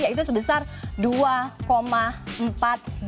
yaitu sebesar dua enam juta ton